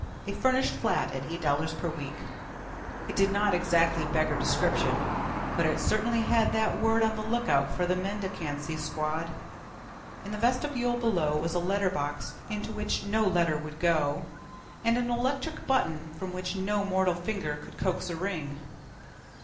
A furnished flat at $8 per week. It did not exactly beggar description, but it certainly had that word on the lookout for the mendicancy squad. In the vestibule below was a letter box into which no letter would go, and an electric button from which no mortal finger could coax a ring.